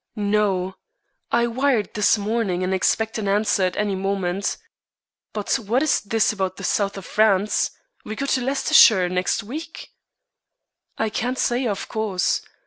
"No. I wired this morning, and expect an answer at any moment. But what is this about the South of France? We go to Leicestershire next week." "I can't say, of course.